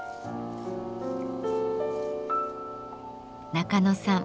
中野さん